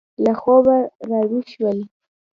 له خوبه را ویښ شول.